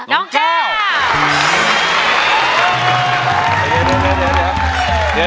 น้องก้าว